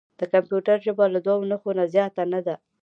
د کمپیوټر ژبه له دوه نښو نه زیاته نه ده.